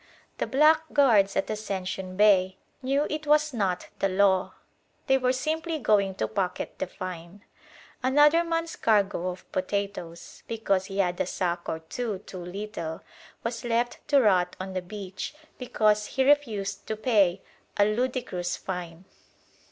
The blackguards at Ascension Bay knew it was not the law. They were simply going to pocket the fine. Another man's cargo of potatoes, because he had a sack or two too little, was left to rot on the beach because he refused to pay a ludicrous fine.